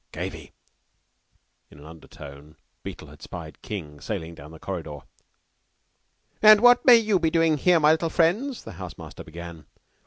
"Cavé!" in an undertone. Beetle had spied King sailing down the corridor. "And what may you be doing here, my little friends?" the house master began.